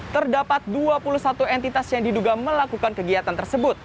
terdapat dua puluh satu entitas yang diduga melakukan kegiatan tersebut